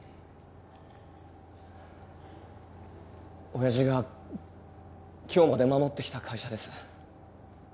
親父が今日まで守ってきた会社です